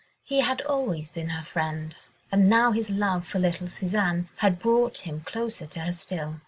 He had always been her friend, and now his love for little Suzanne had brought him closer to her still.